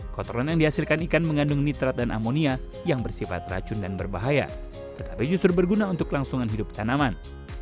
kotoran yang dihasilkan ikan mengandung nitrat dan amonia yang bersifat racun dan berbahaya tetapi justru berguna untuk kelangsungan hidup tanaman